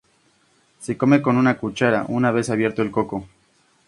Se come con una cuchara, una vez abierto el coco.